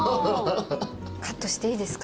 カットしていいですか？